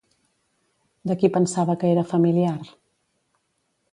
De qui pensava que era familiar?